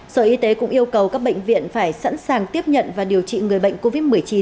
sở y tế cũng yêu cầu các bệnh viện phải sẵn sàng tiếp nhận và điều trị người bệnh covid một mươi chín